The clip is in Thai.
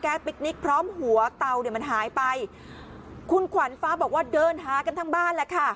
แก๊สปิ๊กนิกพร้อมหัวเตาเนี่ยมันหายไปคุณขวัญฟ้าบอกว่าเดินหากันทั้งบ้านแหละค่ะ